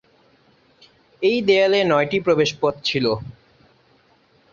এই দেয়ালে নয়টি প্রবেশপথ ছিল।